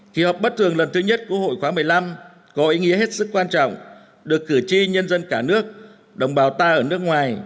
kỳ họp bất thường lần thứ nhất của hội khóa một mươi năm có ý nghĩa hết sức quan trọng được cử tri nhân dân cả nước đồng bào ta ở nước ngoài